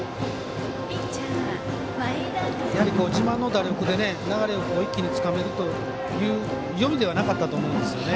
やはり自慢の打力で流れを一気につかめるという読みではなかったと思うんですよね。